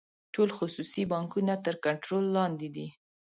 ټول خصوصي بانکونه تر کنټرول لاندې دي.